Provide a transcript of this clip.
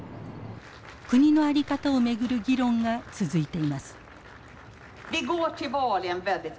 国のあり方を巡る議論が続いています。